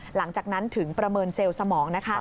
หลังจากนั้นถึงประเมินเซลล์สมองนะคะ